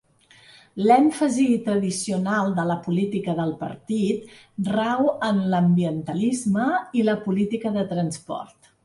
L'èmfasi tradicional de la política del partit rau en l'ambientalisme i la política de transport.